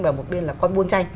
và một bên là con buôn tranh